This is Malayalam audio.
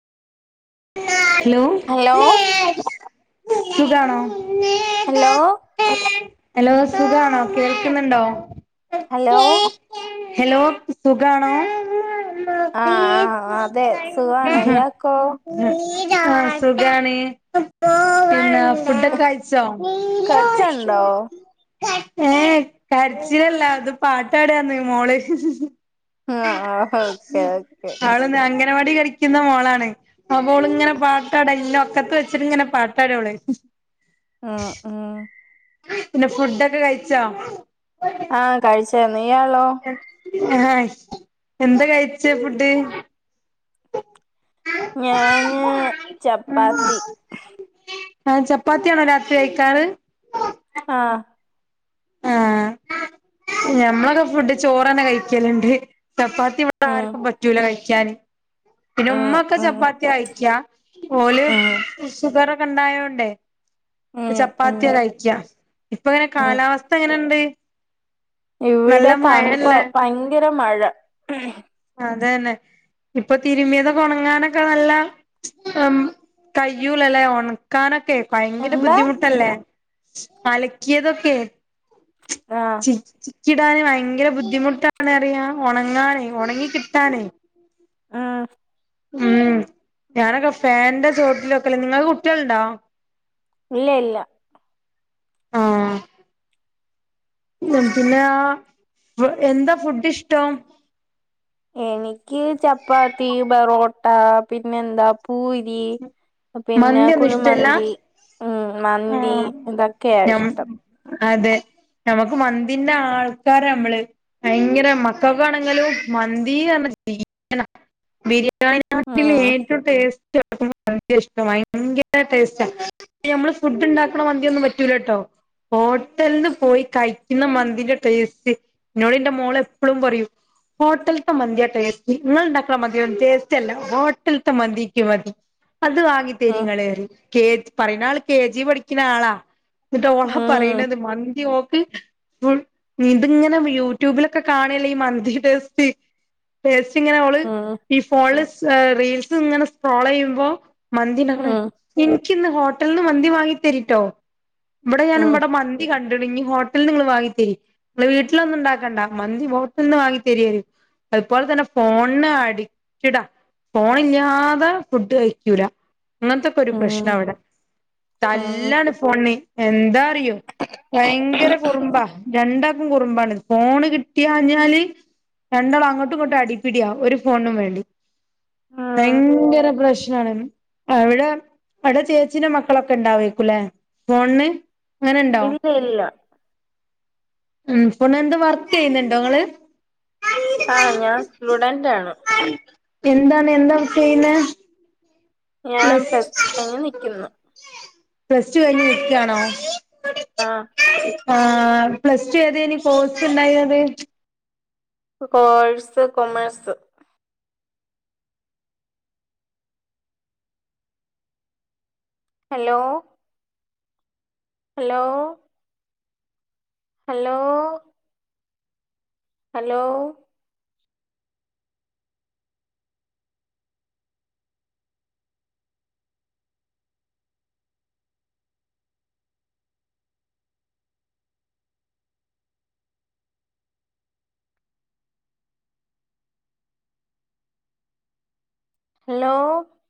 ഹലോ ഹലോ സുഖാണോ ഹലോ ഹലോ സുഖാണോ കേൾക്കുന്നുണ്ടോ ഹലോ ഹലോ സുഖാണോ ആഹ് ആഹ് അതെ സുവാണ് ഇയാക്കോ സുഖാണ് പിന്നെഫ് ഫുഡൊക്കെ കഴിച്ചോ കച്ചണ്ടോ ഏഹ് കരച്ചിലല്ല അത് പാട്ടാടാന്ന് മോള് ആഹ് ആഹ് ഓക്കെ ഓക്കെ ന്നാള്ന്നാ അങ്ങ വാടി പഠിക്കുന്ന മോളാണ് അവോള് ഇങ്ങനെ പാട്ടാട ഇന്നെ ഒക്കത്ത് വെച്ചിട്ട ഇങ്ങനെ പാട്ടാടോള് ഉം ഉം പിന്നെ ഫുഡൊക്കെ കഴിച്ചോ ആഹ കഴിച്ചു നീയാളോ ആഹ് എന്താ കഴിച്ചെ ഫുഡ് ഞാന് ചപ്പാത്തി ആഹ് ചപ്പാത്തിയാണോ രാത്രി കഴിക്കാറ് ആഹ് ആഹ് ഞമ്മളൊക്കെ ഫുഡ് ചോറെന്നെ കഴിക്കല്ണ്ട് ചപ്പാത്തി ഇവിടെ ഉം ആർക്കും പറ്റൂല കഴിക്കാന് പിന്നെ ഉം ഉമ്മ ഒക്കെ ഉം ചപ്പാത്തിയാ കഴിക്ക്യാ ഓല് ഉം ഷുഗറൊക്കെ ഇണ്ടായോണ്ടേ ഉം ഉം ചപ്പാത്തിയ കഴിക്യാ ഇപ്പങ്ങനെ ഉം കാലാവസ്ഥങ്ങനെണ്ട് ഇവിടെ തണുപ്പ ഭയങ്കര മഴ അതന്നെ ഇപ്പൊ തിരുമ്മിയതൊക്കെ ഉണങ്ങാനൊക്കെ നല്ല ഉം കയൂലലേ ക്കാനൊക്കെ ഭയങ്കര എന്താ ബുദ്ധിമുട്ടല്ലേ അലക്കിയതൊക്കെ ആഹ് ചി ചിക്കിടാന് ഭയങ്കര ബുദ്ധിമുട്ടാണറിയ ഉണങ്ങാനേ ഉണങ്ങി കിട്ടാനേ ആഹ് ഉം ഞാനൊക്കെ ഫേന്റെ ചോട്ടിലൊക്കെല നിങ്ങക്ക് കുട്ടിയളുണ്ടോ ഇല്ല ഇല്ല ആഹ് ല്ലം പിന്നെ എന്താ ഫുഡ് ഇഷ്ടം എനിക്ക് ചപ്പാത്തി ബെറോട്ടാ പിന്നെന്താ പൂരി പിന്നെ മന്തിയൊന്നും ഇഷ്ടല്ല കുഴിമന്തി ഉം മന്തി ആഹ് ഇതൊക്കെയാ ഞം ഇഷ്ടം. അതെ നമുക്ക് മന്തിന്റെ ആൾക്കാരാ നമ്മള്. ഭയങ്കര മക്കൾക്ക് ആണെങ്കിലും മന്തിന്ന് പറഞ്ഞ ജി വനാ ബിരിയാണിനാട്ടിൽ ഉം ഏറ്റവും ടേസ്റ്റ് മന്തി ഭയങ്കര ഇഷ്ടം ഭയങ്കര ടേസ്റ്റ നമ്മള് ഫുഡ് ഉണ്ടാക്ക്ണ മന്തിയൊന്നും പറ്റൂല കേട്ടോ. ഹോട്ടൽന്ന് പോയി കഴിക്കുന്ന മന്തിന്റെ ടേസ്റ്റ്. ഇന്നോട് ഇന്റെ മോള് എപ്പോഴും പറയും. ഹോട്ടൽത്തെ മന്തിയാ ടെസ്റ്റ് നിങ്ങൾ ഉണ്ടാക്ക്ണ മന്തി ടെസ്റ്റ്ല്ല ഹോട്ടൽത്തെ മന്തി. മതി അത് വാങ്ങി തരി ഉം ഇങ്ങള് പറയുന്ന ആൾ കെ ജി പഠിക്കുന്ന ആളാ. എന്നിട്ട് ഓള ഉം പറയ്ണത് മന്തിഓക്ക് ഫുൾ ഇതിങ്ങനെ യൂട്യൂബിലൊക്കെ കാണല്ലേ ഈ മന്തി ടെസ്റ്റ്. ടെസ്റ്റ് ഇങ്ങനെ ഓള് ഉം ഈ ഫോണില് സ് റീൽസ് ഇങ്ങനെ സ്ക്രോൾ ചെയ്യുമ്പോ മന്തിഉണ്ടാക്ക്ണ് ഉം എനിക്കിന്ന് ഹോട്ടൽന്ന് മന്തി വാങ്ങി തരിട്ടോ ഇവിടെ ഞാൻ ഉം ഇവിടെ മന്തി കണ്ട്ണ് ഇനി ഹോട്ടൽന്ന് നിങ്ങള് വാങ്ങിത്തരി. വീട്ടിലൊന്നും ഉണ്ടാക്കൻണ്ട മന്തി ഹോട്ടൽന്ന് വാങ്ങി തരിന്ന് പറയും അതുപോലെ തന്നെ ഫോണിന് അഡിക്റ്റ്ടാ ഫോൺ ഇല്ലാതെ. ഫുഡ് കഴിക്കൂല്ലാ. അങ്ങനത്തെക്കെ ഒരു പ്രശ്ന ഉം ഇവിടെ ഉം ഉം തല്ലാണ് ഫോണിന്ന് എന്താ അറിയോ? ഭയങ്കര കുറുമ്പാ രണ്ടാക്കും കുറുമ്പാണ് ഫോണ് കിട്ടിയഞ്ഞാല്. രണ്ടാൾ അങ്ങോട്ടും ഇങ്ങോട്ടും അടിപ്പിടിയ ഒരു ഫോണിനും വേണ്ടി ഭയങ്കര. പ്രശ്നാണ് അവിടെ അവിടെ ചേച്ചീന്റെ മക്കളൊക്കെ ഉണ്ടാവേക്കൂല്ലേ ഫോണിന് അങ്ങനെ ഉണ്ടോ? ഇല്ല ഇല്ല ഉം പിന്നെ എന്തോ വർക്ക് ചെയ്യുന്നുണ്ടോ നിങ്ങള്. ആഹ് ഞാൻ സ്റ്റുഡന്റ് ആണ്. എന്താണ് എന്താ ചെയ്യുന്നെ? ഞാൻ പ്ലസ് ടു കഴിഞ്ഞ് നിക്കുന്നു പ്ലസ് ടു കഴിഞ്ഞ് നിക്കുവാണോ ആഹ് ആഹ് പ്ലസ് ടു ഏതയ്ന് കൊഴ്സ് ഉണ്ടായത്. Course commerce. Hello. Hello. Hello. Hello. Hello.